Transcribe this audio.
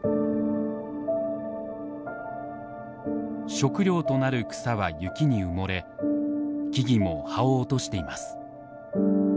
食料となる草は雪に埋もれ木々も葉を落としています。